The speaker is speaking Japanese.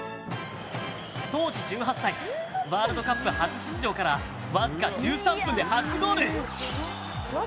当時１８歳ワールドカップ初出場からわずか１３分で初ゴール！